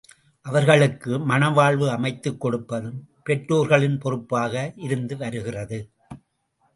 அவர்களுக்கு மணவாழ்வு அமைத்துக் கொடுப்பதும் பெற்றோர்களின் பொறுப்பாக இருந்து வருகிறது.